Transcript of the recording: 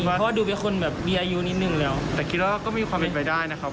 เพราะว่าดูเป็นคนแบบมีอายุนิดนึงแล้วแต่คิดว่าก็มีความเป็นไปได้นะครับ